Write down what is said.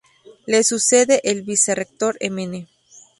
Le sucede el vicerrector Mn.